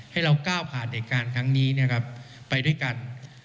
ให้เราก้าวผ่านเหตุการณ์ครั้งนี้ไปด้วยกัน